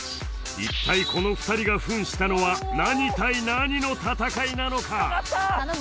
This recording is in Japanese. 一体この２人が扮したのは何対何の戦いなのか？